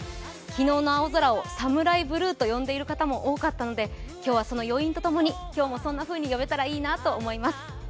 昨日の青空を侍ブルーと呼んでいる人も多かったので今日はその余韻とともにそんなふうに呼べたらいいなと思います。